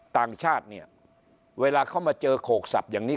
ต่างชาติเนี่ยเวลาเขามาเจอโขกสับอย่างนี้